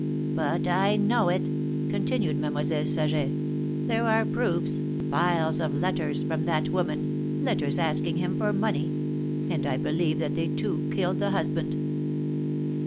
"But I know it," continued Mademoiselle Saget. "There are proofs — piles of letters from that woman, letters asking him for money — and I believe that they two killed the husband."